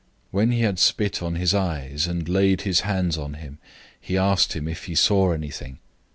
When he had spit on his eyes, and laid his hands on him, he asked him if he saw anything.